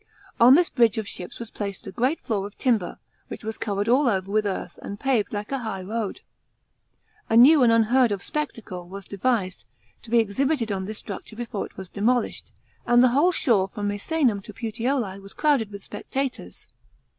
On this bridge of ships was placed a great floor of timber, which was covered all over with earth and paved like a high road. A n w and unheard of spectacle was devised, to be exhibited on this structure before it was demolished, and the whole shore from Misennm to Puteoli was crowded with spectators.